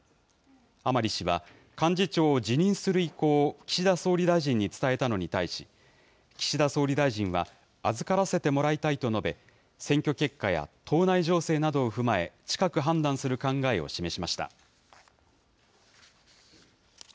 甘利氏は、幹事長を辞任する意向を岸田総理大臣に伝えたのに対し、岸田総理大臣は、預からせてもらいたいと述べ、選挙結果や党内情勢などを踏まえ、近く判断する考えを示しました。